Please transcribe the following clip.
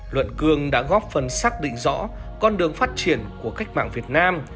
luận cương đã góp phần xác định rõ con đường phát triển của cách mạng việt nam